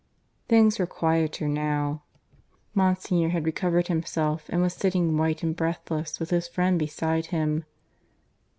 Things were quieter now. Monsignor had recovered himself, and was sitting white and breathless with his friend beside him.